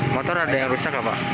motor ada yang rusak apa